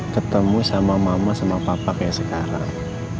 ketemu sama mama sama papa kayak sekarang